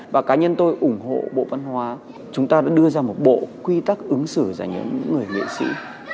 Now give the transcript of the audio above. và cá nhân tôi ủng hộ bộ văn hóa chúng ta đã đưa ra một bộ quy tắc ứng xử ra những người nghệ sĩ